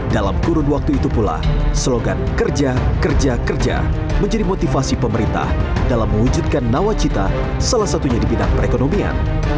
dalam kurun waktu itu pula slogan kerja kerja kerja menjadi motivasi pemerintah dalam mewujudkan nawacita salah satunya di bidang perekonomian